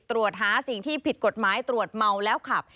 ตรวจหาสิ่งที่ผิดกฎหมายตรวจเมาแล้วขับ